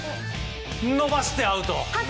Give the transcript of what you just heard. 伸ばしてアウト。